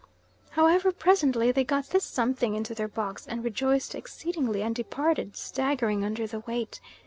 However, presently they got this something into their box and rejoiced exceedingly, and departed staggering under the weight.